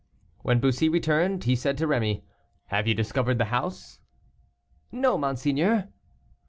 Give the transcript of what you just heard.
When Bussy returned, he said to Rémy, "Have you discovered the house?" "No, monseigneur."